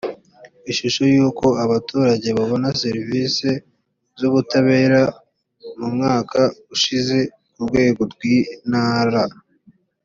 ishusho y’uko abaturage babona serivisi z’ubutabera mu mwaka ushize ku rwego rw’intara